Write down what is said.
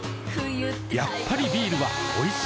やっぱりビールはおいしい、うれしい。